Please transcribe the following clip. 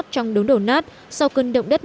trong đống đổ nát sau cơn động đất